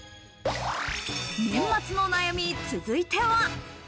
年末の悩み、続いては。